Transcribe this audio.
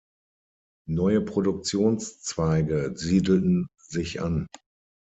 Neue Produktionszweige siedelten sich an.